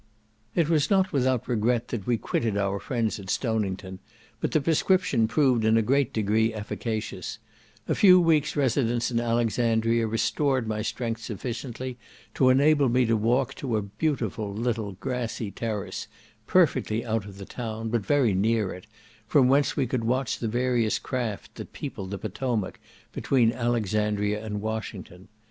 It was not without regret that we quitted our friends at Stonington; but the prescription proved in a great degree efficacious; a few weeks' residence in Alexandria restored my strength sufficiently to enable me to walk to a beautiful little grassy terrace, perfectly out of the town, but very near it, from whence we could watch the various craft that peopled the Potomac between Alexandria and Washington.